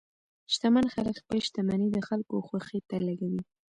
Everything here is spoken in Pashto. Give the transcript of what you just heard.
شتمن خلک خپل شتمني د خلکو خوښۍ ته لګوي.